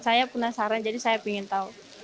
saya penasaran jadi saya ingin tahu